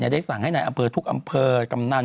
ยังได้สั่งให้ในทุกอำเภอกำนัน